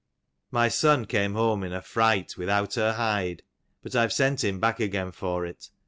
My son came home in a fright without her hide — but I have sent him back again for it.